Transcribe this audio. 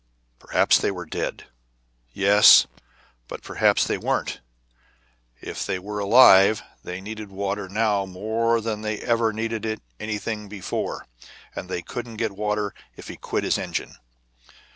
Perhaps they were dead. Yes, but perhaps they weren't. If they were alive, they needed water now more than they ever needed anything before. And they couldn't get water if he quit his engine.